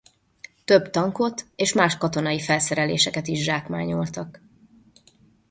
Több tankot és más katonai felszereléseket is zsákmányoltak.